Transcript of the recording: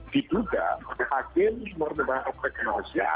ditudah hakim menerima hak asasi manusia